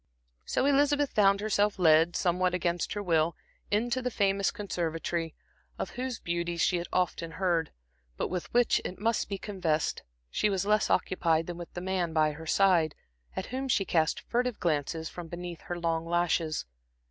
So Elizabeth found herself led, somewhat against her will, into the famous conservatory, of whose beauties she had often heard; but with which, it must be confessed, she was less occupied than with the man by her side, at whom she cast furtive glances from beneath her long lashes.